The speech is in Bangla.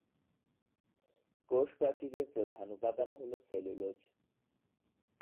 তিনি সত্যিই একটি তেজস্ক্রিয় পদার্থ নিষ্কাশন করেছিলেন যার ধর্ম ছিল বিরল মৃত্তিকা মৌলসমূহের সাথে সাদৃশ্যপূর্ণ।